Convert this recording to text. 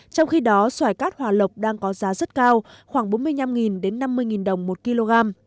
trong khi đó xoài cát hòa lộc đang có giá rất cao khoảng bốn mươi năm năm mươi đồng một kg